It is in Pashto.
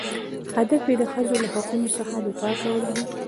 هدف یې د ښځو له حقوقو څخه دفاع کول دي.